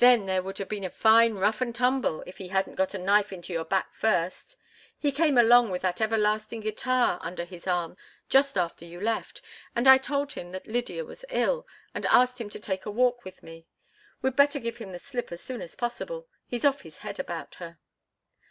Then there would have been a fine rough and tumble if he hadn't got a knife into your back first. He came along with that everlasting guitar under his arm just after you left, and I told him that Lydia was ill, and asked him to take a walk with me. We'd better give him the slip as soon as possible; he's off his head about her."